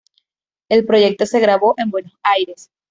El proyecto se grabó en Buenos Aires.